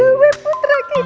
aduh putra kidul